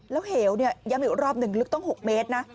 แล้วเหวย้ำอีกรอบหนึ่งลึกต้อง๖เมตรนะ